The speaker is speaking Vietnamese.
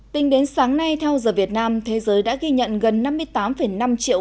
tính đến sáng nay theo giờ việt nam thế giới đã ghi nhận gần năm mươi tám năm triệu